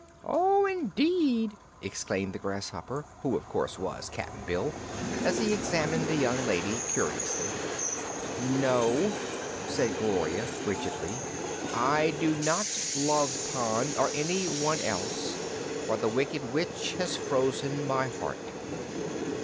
"Oh, indeed!" exclaimed the grasshopper who of course was Cap'n Bill as he examined the young lady curiously. "No," said Gloria frigidly, "I do not love Pon, or anyone else, for the Wicked Witch has frozen my heart."